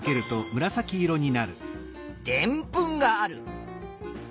でんぷんがある。